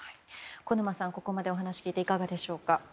小沼さん、ここまでお話を聞いていかがですか？